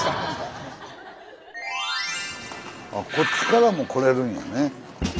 あっこっちからも来れるんやね。